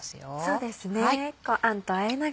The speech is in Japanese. そうですね。